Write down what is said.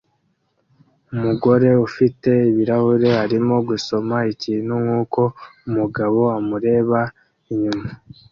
Umugore ufite ibirahure arimo gusoma ikintu nkuko umugabo amureba inyuma